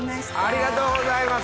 ありがとうございます。